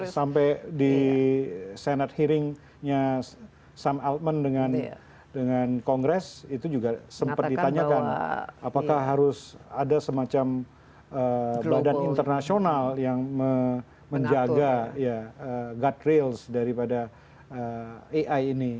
sampai di senate hearing nya sam altman dengan kongres itu juga sempat ditanyakan apakah harus ada semacam badan internasional yang menjaga guardrails daripada ai ini